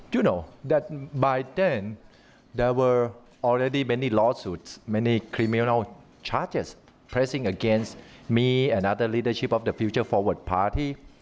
เก่งเดินไปช่วงปารักษาของคุณพระอาจารย์ของเติมพลังประชารัฐ